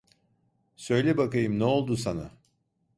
Söyle bakayım, ne oldu sana?